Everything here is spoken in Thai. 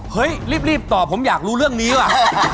เฮ้ยรีบตอบผมอยากรู้เรื่องนี้ว่ะ